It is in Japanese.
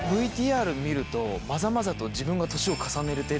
ＶＴＲ見るとまざまざと自分が。